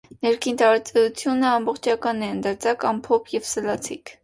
Ներքին տարածութիւնը ամբողջական է, ընդարձակ, ամփոփ ու սլացիկ։